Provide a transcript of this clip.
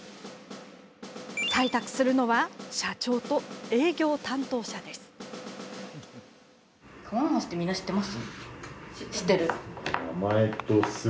採択するのは社長と営業担当者です。